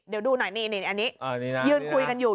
เดี๋ยวดูหน่อยนี่อันนี้ยืนคุยกันอยู่